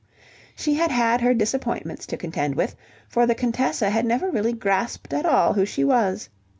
She had had her disappointments to contend with, for the Contessa had never really grasped at all who she was.